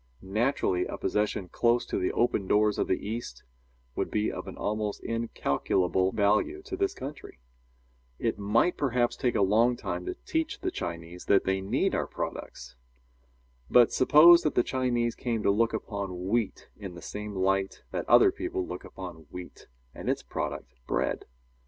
Naturally a possession close to the open doors of the East would be of an almost incalculable value to this country. It might perhaps take a long time to teach the Chinese that they need our products. But suppose that the Chinese came to look upon wheat in the same light that other people look upon wheat and its product, bread?